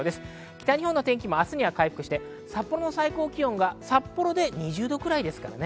北日本も明日には天気は回復して、最高気温が札幌で２０度ぐらいです。